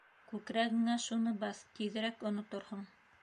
Күкрәгеңә шуны баҫ, тиҙерәк оноторһоң.